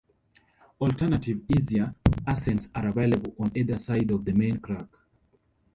Alternative, easier, ascents are available on either side of the main crag.